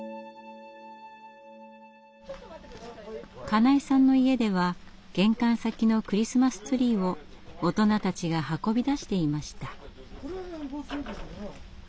金井さんの家では玄関先のクリスマスツリーを大人たちが運び出していました。